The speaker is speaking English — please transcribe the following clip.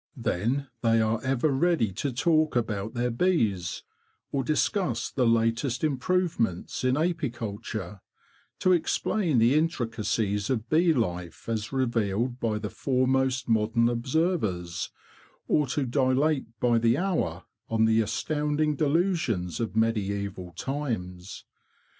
Then they are ever ready to talk about their bees, or discuss the latest improvements in apiculture; to explain the intricacies of bee life, as revealed by the foremost modern observers, or to dilate by the hour on the astounding delusions of medieval times.